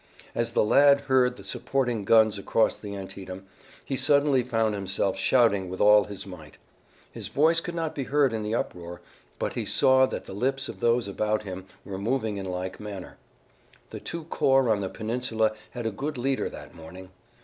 As the lad heard the supporting guns across the Antietam, he suddenly found himself shouting with all his might. His voice could not be heard in the uproar, but he saw that the lips of those about him were moving in like manner. The two corps on the peninsula had a good leader that morning.